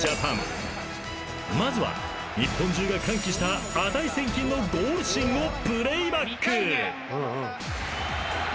［まずは日本中が歓喜した値千金のゴールシーンをプレーバック！］